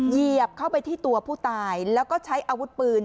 เหยียบเข้าไปที่ตัวผู้ตายแล้วก็ใช้อาวุธปืน